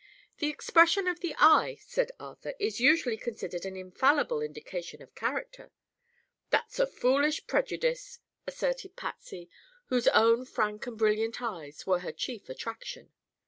"The expression of the eye," said Arthur, "is usually considered an infallible indication of character." "That's a foolish prejudice," asserted Patsy, whose own frank and brilliant eyes were her chief attraction.